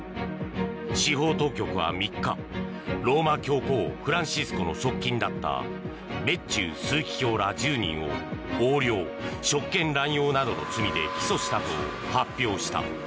司法当局は３日ローマ教皇フランシスコの側近だったベッチウ枢機卿ら１０人を横領、職権乱用などの罪で起訴したと発表した。